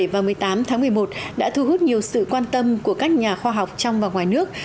một mươi bảy và một mươi tám tháng một mươi một đã thu hút nhiều sự quan tâm của các nhà khoa học trong và ngoài nước